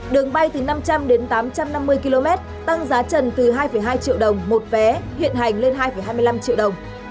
đường bay từ năm trăm linh đến tám trăm năm mươi km tăng giá trần từ hai hai triệu đồng một vé hiện hành lên hai hai mươi năm triệu đồng